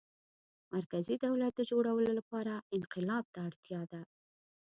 مرکزي دولت د جوړولو لپاره انقلاب ته اړتیا ده.